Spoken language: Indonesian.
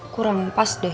kurang pas deh